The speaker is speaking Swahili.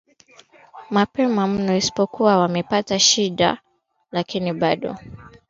mapema mno isipokuwa wamepata shinda lakini bado